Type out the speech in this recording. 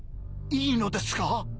いいのですか？